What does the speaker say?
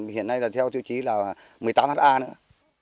hiện nay là theo tiêu chí là một mươi tám ha nữa